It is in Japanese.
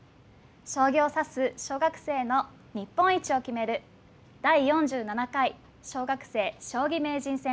将棋を指す小学生の日本一を決める第４７回小学生将棋名人戦。